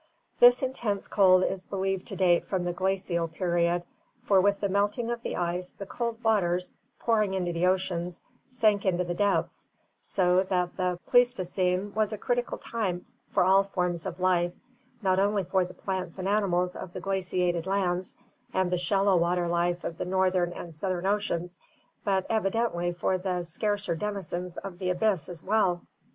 This intense cold is believed to date from the Glacial period, for with the melting of the ice the cold waters, pouring into the oceans, sank into the depths, so that the Pleistocene was a critical time for all forms of life, not only for the plants and animals of the glaciated lands and the shallow water life of the northern and southern oceans, but evidently for the scarcer denizens of the abyss as well.